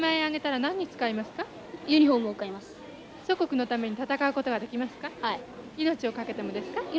祖国のために戦うことができますか？